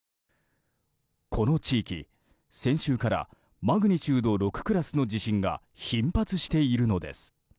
この地域、先週からマグニチュード６クラスの地震が頻発しているのです。